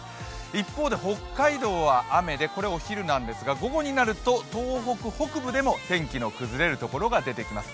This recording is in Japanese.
一方で北海道は雨で、これはお昼なんですが午後になると東北北部でも天気の崩れるところが出てきます。